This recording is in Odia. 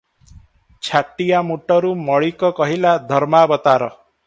ଛାଟିଆମୁଟରୁ ମଳିକ କହିଲା, "ଧର୍ମାବତାର!